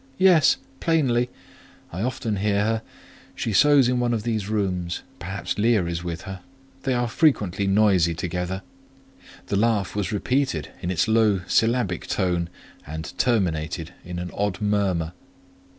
"Yes, plainly: I often hear her: she sews in one of these rooms. Sometimes Leah is with her; they are frequently noisy together." The laugh was repeated in its low, syllabic tone, and terminated in an odd murmur.